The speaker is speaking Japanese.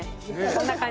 こんな感じ。